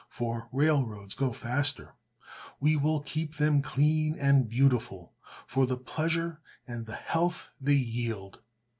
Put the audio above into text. for railroads go faster. We will keep them clean and beautiful, for the pleasure and the health they yield.